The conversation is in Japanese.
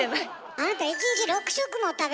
あなた１日６食も食べてんのに。